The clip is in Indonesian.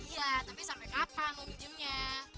iya tapi sampai kapan mau minjemnya